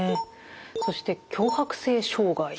そして強迫性障害。